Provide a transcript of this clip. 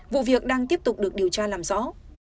vụ việc đang tiếp tục được điều tra làm rõ